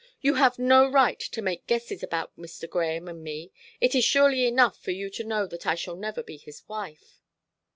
"You have no right to make guesses about Mr. Grahame and me. It is surely enough for you to know that I shall never be his wife."